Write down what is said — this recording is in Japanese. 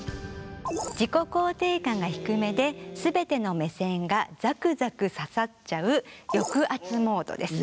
自己肯定感が低めで全ての目線がザクザク刺さっちゃう抑圧モードです。